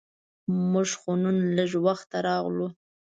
مونږ خو نن لږ وخته راغلو.